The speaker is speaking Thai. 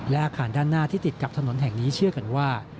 และอาคารด้านหน้าที่ติดกับถนนแห่งนี้เชื่อกันว่า